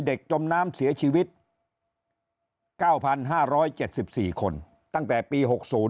จมน้ำเสียชีวิต๙๕๗๔คนตั้งแต่ปี๖๐